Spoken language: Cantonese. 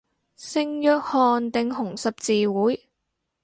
聖約翰定紅十字會